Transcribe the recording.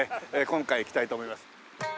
今回いきたいと思います。